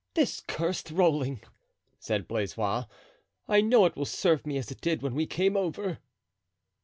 "This cursed rolling!" said Blaisois. "I know it will serve me as it did when we came over."